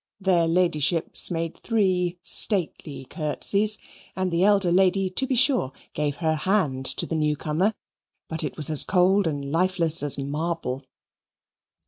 Their ladyships made three stately curtsies, and the elder lady to be sure gave her hand to the newcomer, but it was as cold and lifeless as marble.